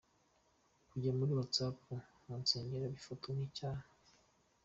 Kujya kuri Whatsapp mu rusengero bifatwa nk'icyaha.